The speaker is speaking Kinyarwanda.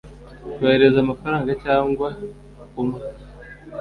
kohereza amafaranga cyangwa umwe